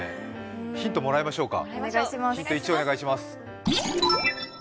ヒントもらいましょうか。